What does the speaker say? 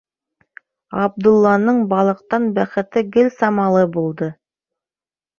Ғабдулланың балыҡтан бәхете гел самалы булды.